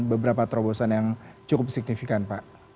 beberapa terobosan yang cukup signifikan pak